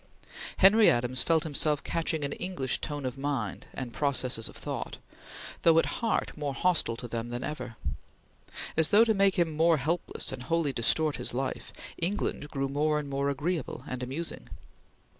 Henry Adams felt himself catching an English tone of mind and processes of thought, though at heart more hostile to them than ever. As though to make him more helpless and wholly distort his life, England grew more and more agreeable and amusing.